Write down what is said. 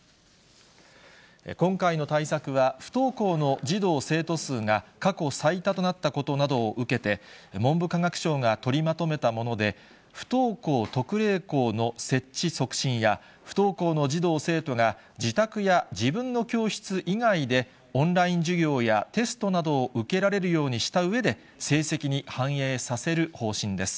今回の対策は、不登校の児童・生徒数が過去最多となったことなどを受けて、文部科学省が取りまとめたもので、不登校特例校の設置促進や、不登校の児童・生徒が自宅や自分の教室以外でオンライン授業や、テストなどを受けられるようにしたうえで、成績に反映させる方針です。